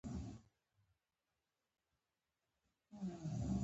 زه باید ژر ډاکټر ته ولاړ شم